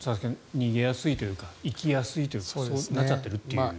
逃げやすいというか行きやすいというかそうなっちゃってるという。